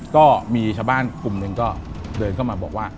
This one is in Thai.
ก็มีชาวบ้านกลุ่มหนึ่งก็เดินเข้ามาบอกว่า